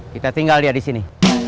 kita tinggal dia di sini